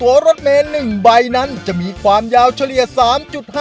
แล้ววันนี้ผมมีสิ่งหนึ่งนะครับเป็นตัวแทนกำลังใจจากผมเล็กน้อยครับ